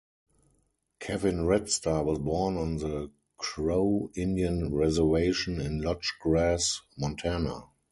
Kevin Red Star was born on the Crow Indian Reservation in Lodge Grass, Montana.